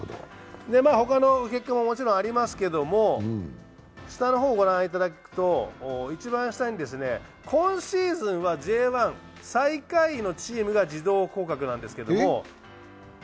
ほかの結果ももちろんありますけれども、下の方をご覧いただくと一番下に、今シーズンはＪ１最下位のチームが自動降格なんですけども。